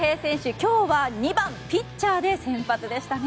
今日は２番ピッチャーで先発でしたね。